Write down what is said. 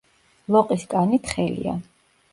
ლოყის კანი თხელია.